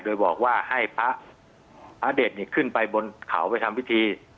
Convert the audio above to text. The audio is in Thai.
โดยบอกว่าให้พระเด็ดขึ้นไปบนเขาไปทำพิธี